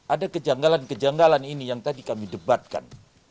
ada kejanggalan kejanggalan ini yang tadi kami debatkan